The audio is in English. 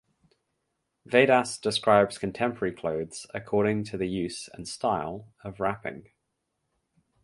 Vedas describes contemporary clothes according to the use and style of wrapping.